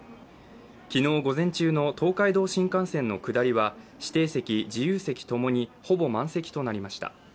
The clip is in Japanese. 昨日午前中の東海道新幹線の下りは指定席・自由席ともにほぼ満席となりました。